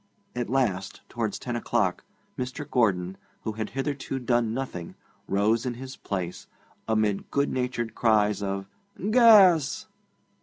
At last, towards ten o'clock, Mr. Gordon, who had hitherto done nothing, rose in his place, amid good natured cries of 'Gas!'